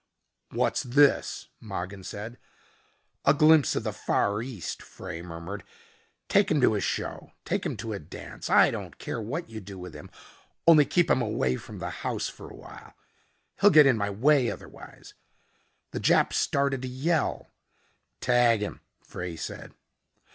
"What's this?" Mogin said. "A glimpse of the Far East," Frey murmured. "Take him to a show. Take him to a dance. I don't care what you do with him, only keep him away from the house for a while. He'll get in my way otherwise." The Jap started to yell. "Tag him," Frey said.